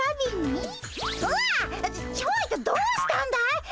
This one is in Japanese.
どうしたんだい？